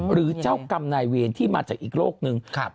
หรือเจ้ากรรมนายเวรที่มาจากอีกโลกหนึ่ง